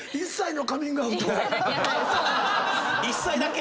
１歳だけ。